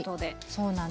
そうなんです。